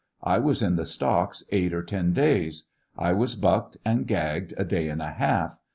I was in the stocks eight or ten days. I was bucked and gagged a day and a half.